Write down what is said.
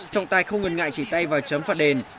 trọng tài không ngần ngại chỉ tay vào chấm phạt đền